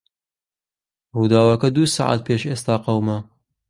ڕووداوەکە دوو سەعات پێش ئێستا قەوما.